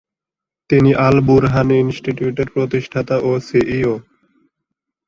তিনি আল-বুরহান ইনস্টিটিউটের প্রতিষ্ঠাতা ও সিইও।